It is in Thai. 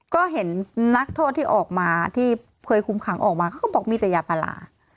ก็เห็นนักโทษที่ออกมาที่เคยคุมขังออกมาเขาก็บอกมีแต่ยาพารา